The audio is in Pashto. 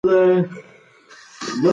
موږ په دوبي کې چکر ته ځو.